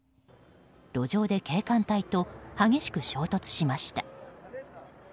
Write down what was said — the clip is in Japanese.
路上で警官隊と激しく衝突しました。